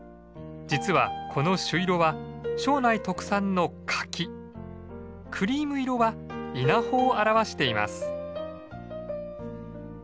実はこの朱色は庄内特産の柿クリーム色は稲穂を表しています。